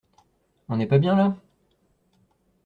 On n’est pas bien, là?